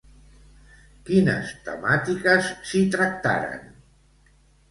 Quines temàtiques s'hi tractaran?